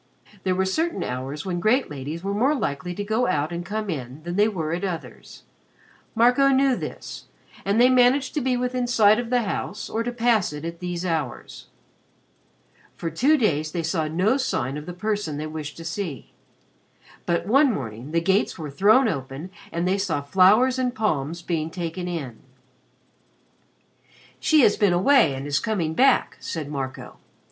There were certain hours when great ladies were more likely to go out and come in than they were at others. Marco knew this, and they managed to be within sight of the house or to pass it at these hours. For two days they saw no sign of the person they wished to see, but one morning the gates were thrown open and they saw flowers and palms being taken in. "She has been away and is coming back," said Marco.